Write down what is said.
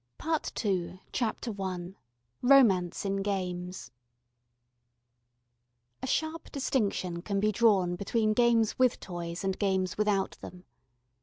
PART II CHAPTER I Romance in Games A SHARP distinction can be drawn between games with toys and games without them.